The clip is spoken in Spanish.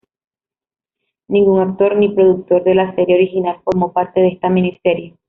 Ningún actor ni productor de la serie original formó parte de esta "mini serie".